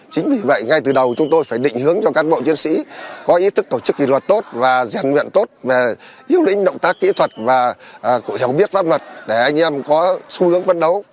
chính vì vậy ngay từ đầu chúng tôi phải định hướng cho các bộ chiến sĩ có ý thức tổ chức kỷ luật tốt và giàn nguyện tốt về yếu lĩnh động tác kỹ thuật và hiểu biết pháp luật để anh em có xu hướng phấn đấu